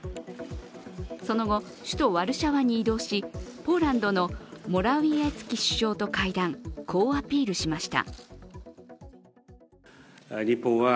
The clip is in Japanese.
その後、首都ワルシャワに移動しポーランドのモラウィエツキ首相と会談、こうアピールしました。